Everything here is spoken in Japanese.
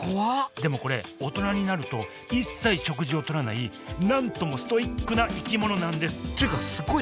でもこれ大人になると一切食事をとらない何ともストイックな生き物なんですっていうかすごいね！